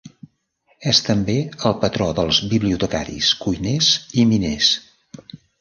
És també el patró dels bibliotecaris, cuiners i miners.